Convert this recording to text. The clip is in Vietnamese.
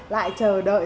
lại chờ đợi